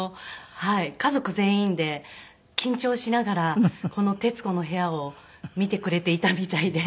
家族全員で緊張しながらこの『徹子の部屋』を見てくれていたみたいで。